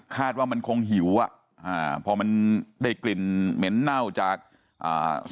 ว่ามันคงหิวอ่ะอ่าพอมันได้กลิ่นเหม็นเน่าจากอ่า